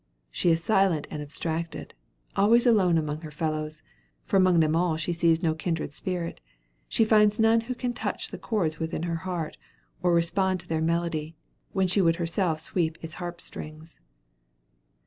She is silent and abstracted; always alone among her fellows for among them all she sees no kindred spirit; she finds none who can touch the chords within her heart, or respond to their melody, when she would herself sweep its harp strings.